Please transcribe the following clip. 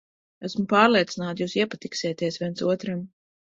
Esmu pārliecināta, jūs iepatiksieties viens otram.